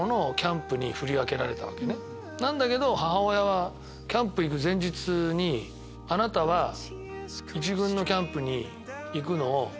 だけど母親はキャンプ行く前日に「あなたは１軍のキャンプに行くのを」。